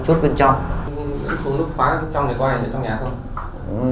thường nút khóa trong thì có ai ở trong nhà không